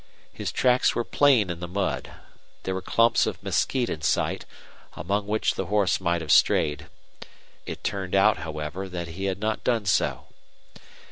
His tracks were plain in the mud. There were clumps of mesquite in sight, among which the horse might have strayed. It turned out, however, that he had not done so.